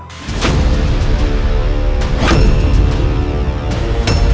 kanda berapa lama kanda akan berada di luwung sanca